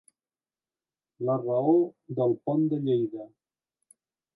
La raó del pont de Lleida.